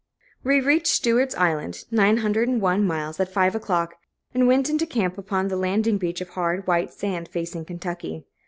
We reached Stewart's Island (901 miles) at five o'clock, and went into camp upon the landing beach of hard, white sand, facing Kentucky.